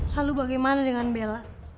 lalu bagaimana dengan bella